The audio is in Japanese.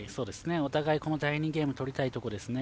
お互い、この第２ゲーム取りたいところですね。